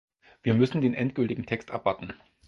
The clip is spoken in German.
Wir müssen den endgültigen Text abwarten.